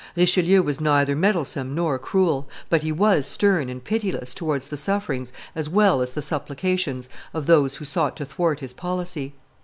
Richelieu was neither meddlesome nor cruel, but he was stern and pitiless towards the sufferings as well as the supplications of those who sought to thwart his policy.